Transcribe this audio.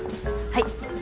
はい。